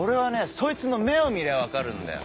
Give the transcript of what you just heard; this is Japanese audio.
そいつの目を見りゃ分かるんだよ。